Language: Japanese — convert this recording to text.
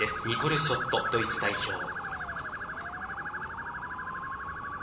ニコル・ショット、ドイツ代表。